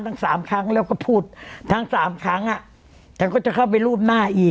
ทั้งสามครั้งแล้วก็พูดทั้งสามครั้งอ่ะฉันก็จะเข้าไปรูปหน้าอีก